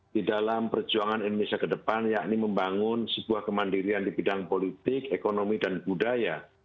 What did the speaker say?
di dalam perjuangan indonesia ke depan yakni membangun sebuah kemandirian di bidang politik ekonomi dan budaya